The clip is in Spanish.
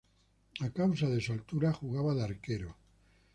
A causa de su altura jugaba de arquero.